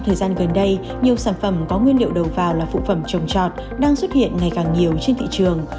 có thể thấy trong thời gian gần đây nhiều sản phẩm có nguyên liệu đầu vào là phụ phẩm trồng trọt đang xuất hiện ngày càng nhiều trên thị trường